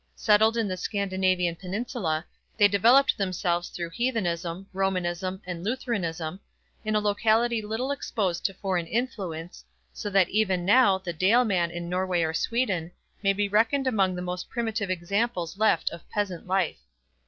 Settled in the Scandinavian peninsula, they developed themselves through Heathenism, Romanism, and Lutheranism, in a locality little exposed to foreign influence, so that even now the Daleman in Norway or Sweden may be reckoned among the most primitive examples left of peasant life.